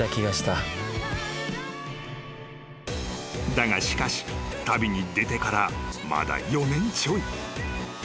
［だがしかし旅に出てからまだ４年ちょい］